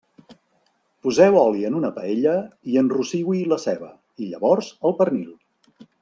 Poseu oli en una paella i enrossiu-hi la ceba i llavors el pernil.